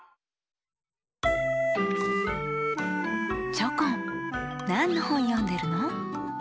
チョコンなんのほんよんでるの？